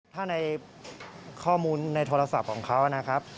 ถ้าในข้อมูลในโทรศัพท์ของเขานะครับ